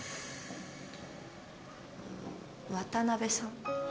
渡辺さん？